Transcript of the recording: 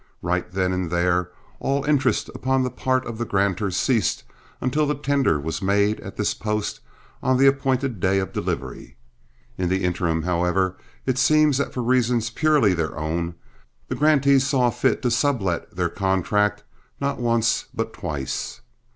Right then and there all interest upon the part of the grantor ceased until the tender was made at this post on the appointed day of delivery. In the interim, however, it seems that for reasons purely their own, the grantees saw fit to sub let their contract, not once but twice.